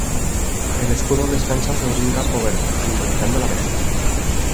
El escudo descansa sobre un campo verde, simbolizando la vegetación.